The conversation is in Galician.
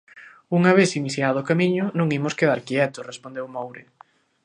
Unha vez iniciado o camiño non imos quedar quietos, respondeu Moure.